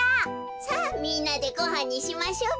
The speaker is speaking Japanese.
さあみんなでごはんにしましょベ。